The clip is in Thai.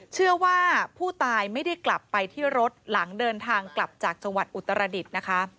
เชื่อว่าผู้ตายไม่ได้กลับไปที่รถหลังเดินทางกลับจากจังหวัดอุตรดิษฐ์นะคะ